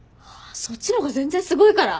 そっちの方が全然すごいから。